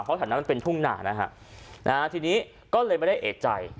เพราะแถวนั้นมันเป็นทุ่งหนานะฮะทีนี้ก็เลยไม่ได้เอกใจ